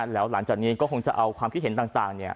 แล้วหลังจากนี้ก็คงจะเอาความคิดเห็นต่าง